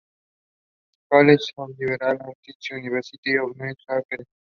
College of Liberal Arts at University of New Hampshire.